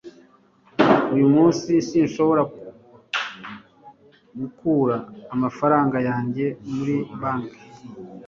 Uyu munsi sinshobora gukura amafaranga yanjye muri banki